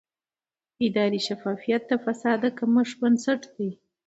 اداري شفافیت د فساد د کمښت بنسټ دی